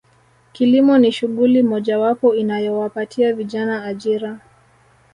Kilimo ni shughuli mojawapo inayowapatia vijana ajira